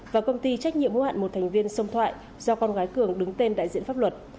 và công ty trách nhiệm hữu hạn một thành viên sông thoại do con gái cường đứng tên đại diện pháp luật